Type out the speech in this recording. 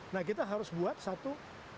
nah kita harus buat satu